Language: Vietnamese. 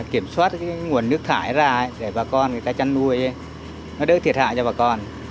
kiểm soát nguồn nước thải ra để bà con người ta chăn nuôi nó đỡ thiệt hại cho bà con